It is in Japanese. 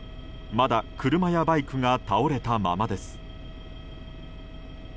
まだ車やバイクが倒れたままです。